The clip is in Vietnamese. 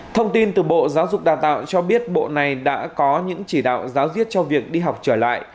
thông tin từ bộ giáo dục đào tạo cho biết bộ này đã có những chỉ đạo giáo diết cho việc đi học trở lại